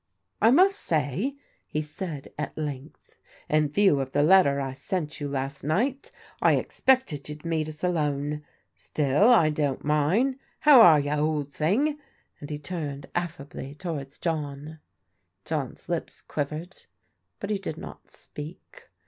" I must say," he said at length, " in view of the letter I sent you last night I expected you'd meet us alone. Still, I don't mind. How are you, old thing?" and he turned affably towards John. John's lips quivered, but he did not speak.